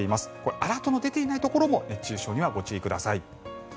アラートの出ていないところも熱中症にはご注意ください。